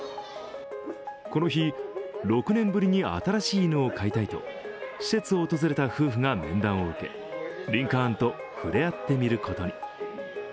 この日、６年ぶりに新しい犬を飼いたいと施設を訪れた夫婦が面談を受けリンカーンと触れ合ってみることに。